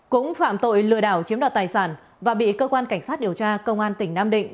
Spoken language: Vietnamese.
cũng phạm tội lừa đảo chiếm đoạt tài sản và bị cơ quan cảnh sát điều tra công an tỉnh nam định